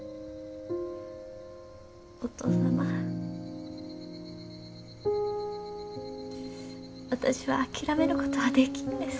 お義父様私は諦めることはできんです。